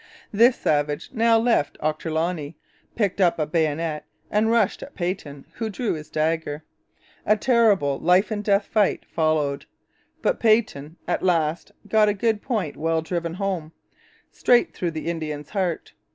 This savage now left Ochterloney, picked up a bayonet and rushed at Peyton, who drew his dagger. A terrible life and death fight followed; but Peyton at last got a good point well driven home, straight through the Indian's heart.